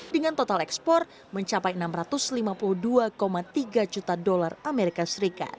dengan total ekspor mencapai enam ratus lima puluh dua tiga juta dolar as